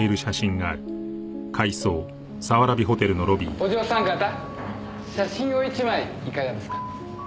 お嬢さん方写真を１枚いかがですか？